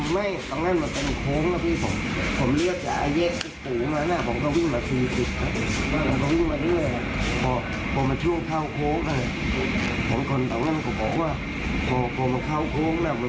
มีเลือดประมาณ๑๕๒๐อาหาร